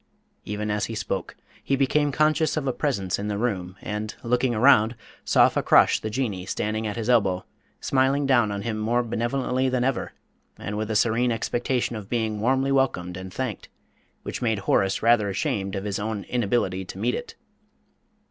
Even as he spoke he became conscious of a presence in the room, and, looking round, saw Fakrash the Jinnee standing at his elbow, smiling down on him more benevolently than ever, and with a serene expectation of being warmly welcomed and thanked, which made Horace rather ashamed of his own inability to meet it.